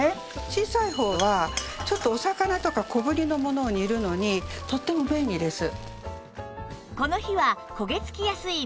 小さい方はちょっとお魚とか小ぶりのものを煮るのにとっても便利です。